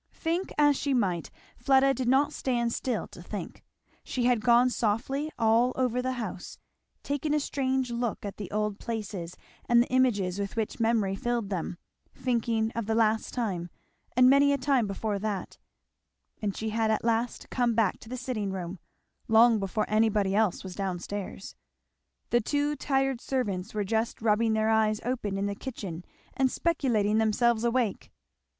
Think as she might Fleda did not stand still to think. She had gone softly all over the house, taking a strange look at the old places and the images with which memory filled them, thinking of the last time, and many a time before that; and she had at last come back to the sitting room, long before anybody else was down stairs; the two tired servants were just rubbing their eyes open in the kitchen and speculating themselves awake.